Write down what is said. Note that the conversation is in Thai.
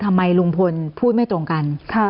ใครลุงพลพูดไม่ตรงกัน